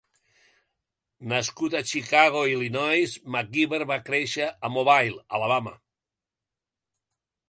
Nascut a Chicago, Illinois, McGivern va créixer a Mobile, Alabama.